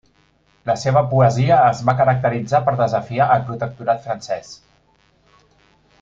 La seva poesia es va caracteritzar per desafiar el protectorat francès.